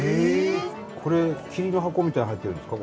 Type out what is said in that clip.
これ桐の箱みたいのに入ってるんですか？